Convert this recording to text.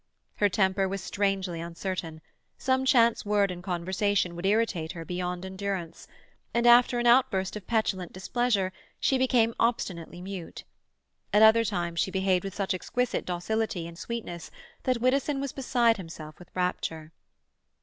Her temper was strangely uncertain; some chance word in a conversation would irritate her beyond endurance, and after an outburst of petulant displeasure she became obstinately mute. At other times she behaved with such exquisite docility and sweetness that Widdowson was beside himself with rapture.